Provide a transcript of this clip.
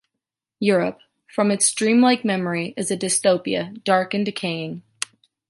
Europe, from its dreamlike memory is a dystopia, dark and decaying.